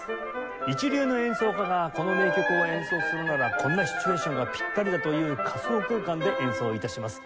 一流の演奏家がこの名曲を演奏するならこんなシチュエーションがぴったりだという仮想空間で演奏致します。